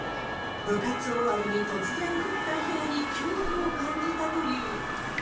部活終わりに突然降ったひょうに、恐怖を感じたという。